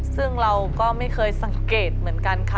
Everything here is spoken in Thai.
ซึ่งเราก็ไม่เคยสังเกตเหมือนกันค่ะ